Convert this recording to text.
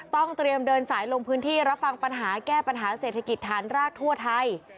ต้องเตรียมเดินสายลงพื้นที่รับฟังปัญหาแก้ปัญหาเศรษฐกิจฐานรากทั่วไทย